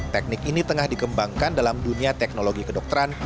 teknik ini tengah dikembangkan dalam dunia teknologi kedokteran